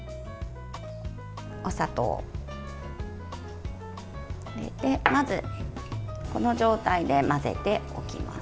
お砂糖を入れてまずこの状態で混ぜておきます。